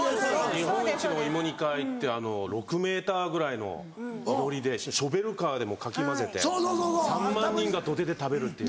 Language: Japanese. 日本一の芋煮会って６ｍぐらいのいろりでショベルカーでかき混ぜて３万人が土手で食べるっていう。